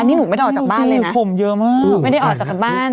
นี่หนูไม่ได้ออกจากบ้านเลยนะผมเยอะมากไม่ได้ออกจากบ้าน